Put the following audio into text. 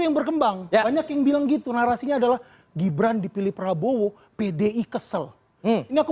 yang berkembang banyak yang bilang gitu narasinya adalah gibran dipilih prabowo pdi kesel ini aku